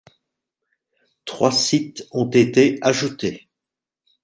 Trois sites ont été ajoutés.